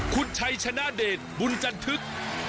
คุณชัยชนะเดชบุญจันทึก